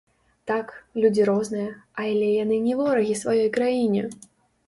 Так, людзі розныя, але яны не ворагі сваёй краіне!